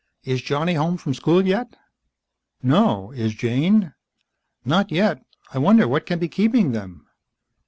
"Is Johnny home from school yet?" "No. Is Jane?" "Not yet. I wonder what can be keeping them?"